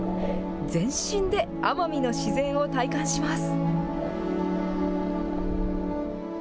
全身で奄美の自然を体感します。